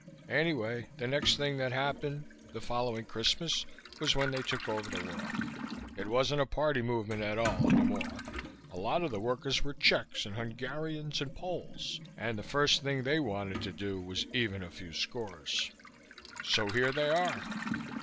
Anyway, the next thing that happened the following Christmas was when they took over the world. It wasn't a Party movement at all any more. A lot of the workers were Czechs and Hungarians and Poles, and the first thing they wanted to do was to even a few scores. "So here they are!